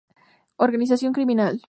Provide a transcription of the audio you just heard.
Organización criminal.